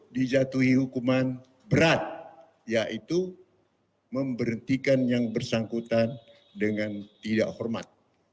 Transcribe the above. dijatuhi hukuman berat yaitu memberhentikan yang bersangkutan dengan tidak hormat